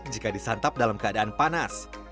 jika disantap dalam keadaan panas